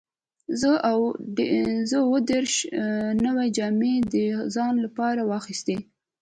زه اووه دیرش نوې جامې د ځان لپاره واخیستې.